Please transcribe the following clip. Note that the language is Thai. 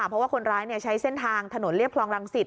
เพราะว่าคนร้ายใช้เส้นทางถนนเรียบคลองรังสิต